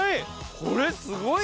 これすごいな！